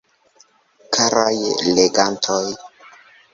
Karaj legantoj!